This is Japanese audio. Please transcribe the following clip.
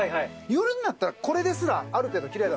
夜になったらこれですらある程度奇麗。